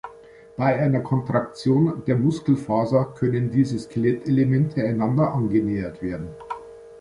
Bei einer Kontraktion der Muskelfaser können diese Skelettelemente einander angenähert werden.